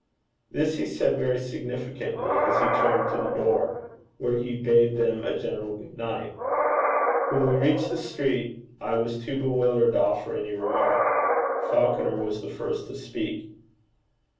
This he said very significantly, as he turned to the door, where he bade them a general good night. When we reached the street, I was too bewildered to offer any remark. Falconer was the first to speak.